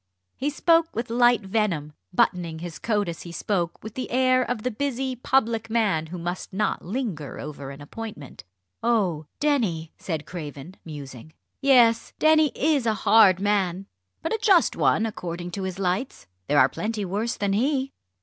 He spoke with light venom, buttoning his coat as he spoke with the air of the busy public man who must not linger over an appointment. "Oh! Denny!" said Craven, musing; "yes, Denny is a hard man, but a just one according to his lights. There are plenty worse than he."